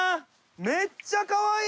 めっちゃかわいい！